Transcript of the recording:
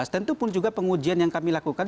tentupun juga pengujian yang kami lakukan